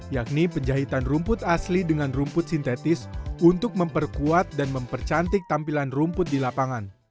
yakni penjahitan rumput asli dengan rumput sintetis untuk memperkuat dan mempercantik tampilan rumput di lapangan